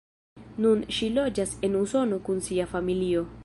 Nun ŝi loĝas en Usono kun sia familio.